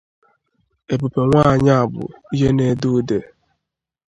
Ebube nwaanyi a bụ ihe na-ede ude.